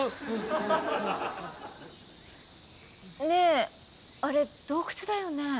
ねえあれ洞窟だよね？